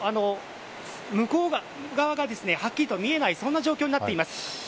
向こう側がはっきりと見えない状況になっています。